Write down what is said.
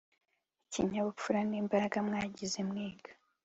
ikinyabupfura n’imbaraga mwagize mwiga